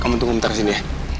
kamu tunggu sekejap sini ya